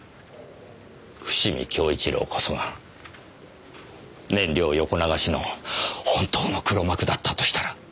良こそが燃料横流しの本当の黒幕だったとしたら。